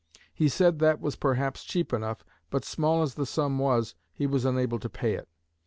He said that was perhaps cheap enough, but small as the sum was he was unable to pay it.